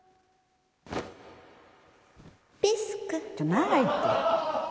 長いって。